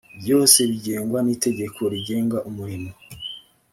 byose bigengwa n ‘itegeko rigenga umurimo.